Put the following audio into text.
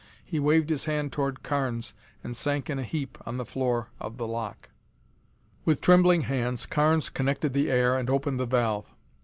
He waved his hand toward Carnes and sank in a heap on the floor of the lock. With trembling hands Carnes connected the air and opened the valve.